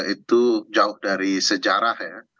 itu jauh dari sejarah ya